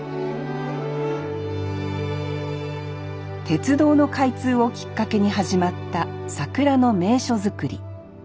鉄道の開通をきっかけに始まった桜の名所作り。